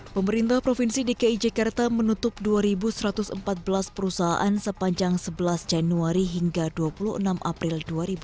pemerintah provinsi dki jakarta menutup dua satu ratus empat belas perusahaan sepanjang sebelas januari hingga dua puluh enam april dua ribu dua puluh